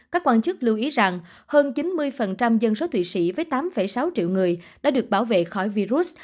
các quan chức lưu ý rằng hơn chín mươi dân số thụy sĩ với tám sáu triệu người đã được bảo vệ khỏi virus